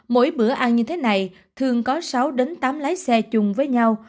mỗi bữa ăn như thế này thường có sáu đến tám lái xe chung với nhau